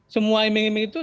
semua iming iming itu